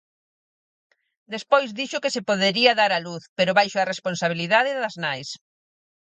Despois dixo que se podería dar a luz pero baixo a responsabilidade das nais.